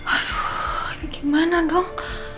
aduh ini gimana dong